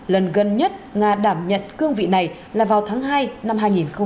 lần gần nhất nga đảm nhận cương vị này là vào tháng hai năm hai nghìn hai mươi ba